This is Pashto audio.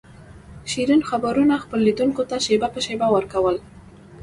شیرین خبرونه خپلو لیدونکو ته شېبه په شېبه ور کول.